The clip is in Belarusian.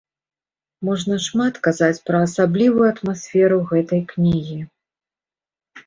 Можна шмат казаць пра асаблівую атмасферу гэтай кнігі.